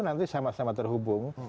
nanti sama sama terhubung